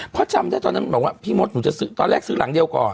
พ่อจำได้ตอนนั้นบอกว่าพี่มดตอนแรกซื้อหลังเดียวก่อน